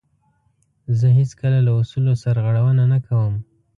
زه هیڅکله له اصولو سرغړونه نه کوم.